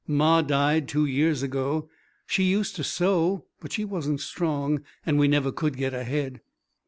Ma died two years ago. She used to sew, but she wasn't strong, and we never could get ahead."